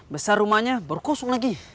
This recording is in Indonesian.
besar rumahnya baru kosong lagi